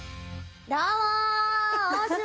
どうも！